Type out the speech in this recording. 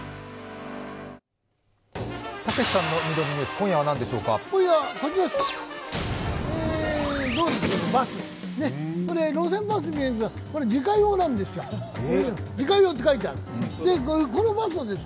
今夜はこちらです。